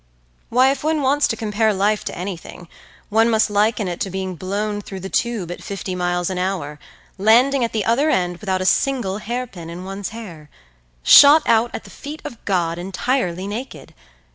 Why, if one wants to compare life to anything, one must liken it to being blown through the Tube at fifty miles an hour—landing at the other end without a single hairpin in one's hair! Shot out at the feet of God entirely naked!